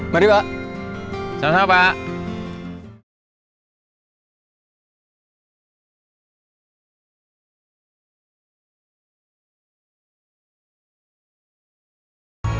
mereka jangan bisa puji